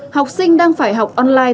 học sinh đang phải học online